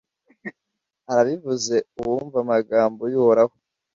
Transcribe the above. arabivuze uwumva amagambo y’uhoraho.